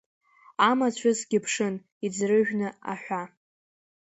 Амацәысгьы ԥшын, иӡрыжәны аҳәа…